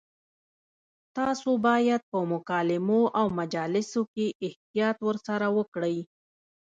تاسو باید په مکالمو او مجالسو کې احتیاط ورسره وکړئ.